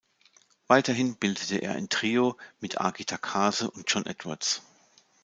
Weiterhin bildete er ein Trio mit Aki Takase und John Edwards.